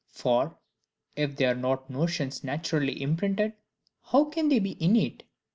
For if they are not notions naturally imprinted, how can they be innate?